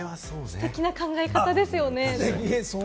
ステキな考え方ですよね。